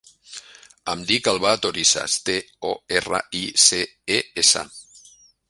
Em dic Albà Torices: te, o, erra, i, ce, e, essa.